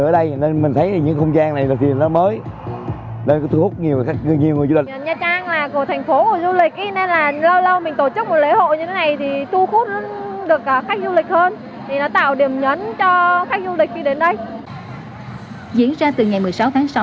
diễn ra từ ngày một mươi sáu tháng sáu